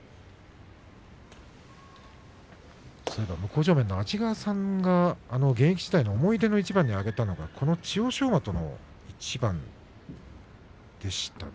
向正面の安治川さんが現役時代思い出の一番に挙げたのはこの千代翔馬との一番でしたね